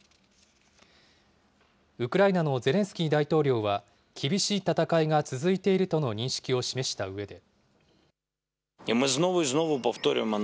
ウクライナのゼレンスキー大統領は、厳しい戦いが続いているとの認識を示したうえで。